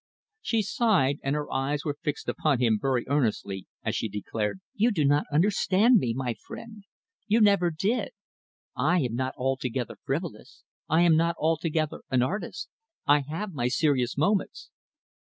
She sighed, and her eyes were fixed upon him very earnestly, as she declared: "You do not understand me, my friend. You never did. I am not altogether frivolous; I am not altogether an artist. I have my serious moments."